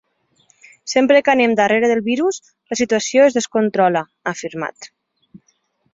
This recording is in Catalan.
“Sempre que anem darrere el virus, la situació es descontrola”, ha afirmat.